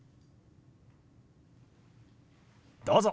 どうぞ。